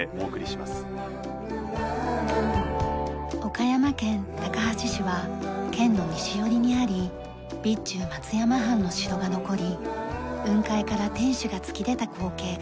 岡山県高梁市は県の西寄りにあり備中松山藩の城が残り雲海から天守が突き出た光景が人気です。